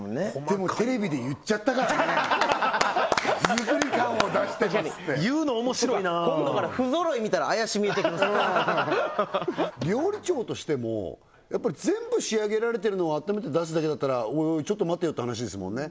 でもテレビで言っちゃったからね手作り感を出してますって言うのおもしろいな今度から不揃い見たら怪し見えてきますね料理長としてもやっぱり全部仕上げられてるのを温めて出すだけだったらおいおいちょっと待てよって話ですもんね